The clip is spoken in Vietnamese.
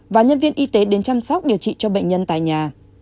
và nhân viên y tế đến chăm sóc điều trị cho bệnh nhân tại nhà